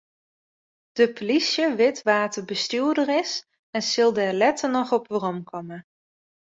De plysje wit wa't de bestjoerder is en sil dêr letter noch op weromkomme.